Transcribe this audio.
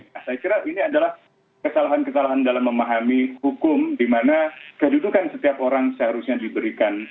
nah saya kira ini adalah kesalahan kesalahan dalam memahami hukum di mana kedudukan setiap orang seharusnya diberikan